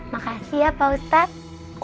makasih ya pak ustadz